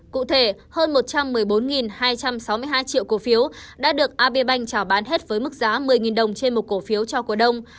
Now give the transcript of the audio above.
cụ thể hơn một trăm một mươi bốn hai trăm sáu mươi hai triệu cổ phiếu đã được abbank trào bán hết với mức giá một mươi đồng trên một cổ phiếu cho cổ đông